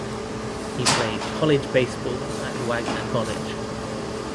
He played college baseball at Wagner College.